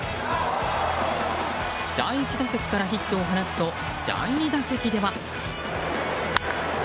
第１打席からヒットを放つと第２打席では。